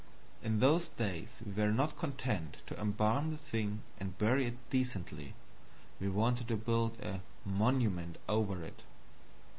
In those days we were not content to embalm the thing and bury it decently, we wanted to build a monument over it.